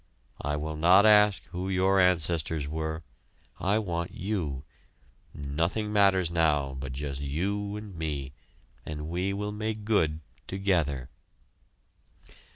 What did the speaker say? I will not ask who your ancestors were. I want you nothing matters now but just you and me, and we will make good together."